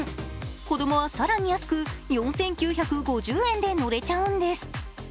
子供は更に安く、４９５０円で乗れちゃうんです。